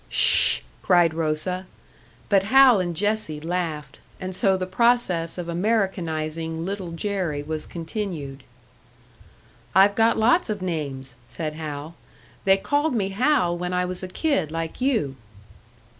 "Ssh!" cried Rosa. But Hal and Jessie laughed and so the process of Americanising Little Jerry was continued. "I've got lots of names," said Hal. "They called me Hal when I was a kid like you."